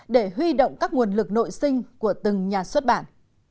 để huy động các nguồn lực nội sinh của từng nhà xuất bản